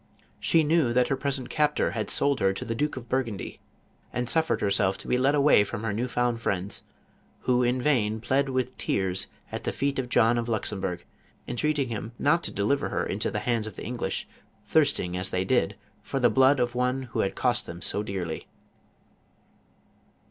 She knew that her present captor had sold her to the Duke of Burgundy, and suffered herself to be led a\v;iy from her new found friends, who in vain plead with tears, at the feet of John of Luxembourg, entreat ing him not to deliver her into the hands of the Eng lish, thirsting, as they did, for the blood of one who had cost them so dearly.